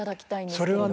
それはね